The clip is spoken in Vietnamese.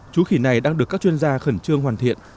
chú khỉ này đang được các chuyên gia khẩn trương hoàn thiện